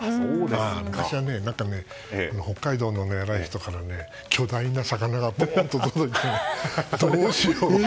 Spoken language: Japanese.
昔は、北海道の偉い人から巨大な魚が届いてどうしようかなって。